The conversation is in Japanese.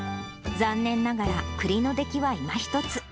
残念ながら、栗の出来はいまひとつ。